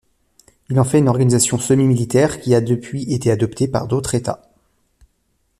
Il en fait une organisation semi-militaire qui a depuis été adoptée par d'autres états.